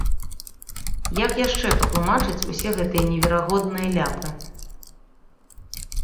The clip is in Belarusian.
Як яшчэ патлумачыць усе гэтыя неверагодныя ляпы?